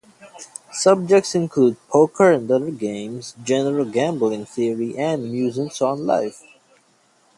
Subjects include poker and other games, general gambling theory and musings on life.